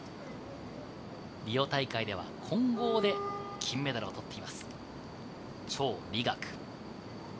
リオ大会では混合で金メダルを取っています、チョウ・リガク。